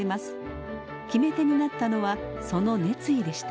決め手になったのはその熱意でした。